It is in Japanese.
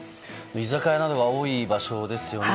居酒屋などが多い場所ですね。